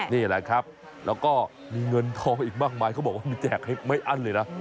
นี่แหละครับแล้วก็มีเงินทองอีกมากมายเขาบอกว่ามันแจกให้ไม่อั้นเลยนะ